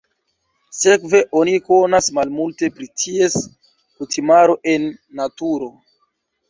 Sekve oni konas malmulte pri ties kutimaro en naturo.